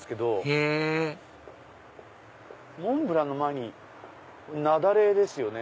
へぇ「モンブラン」の前に「雪崩」ですよね。